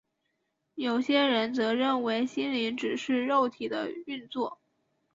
有些人则认为心灵只是肉体的运作。